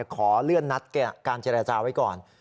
ขอเลื่อนนัดการเจรจาไว้ก่อน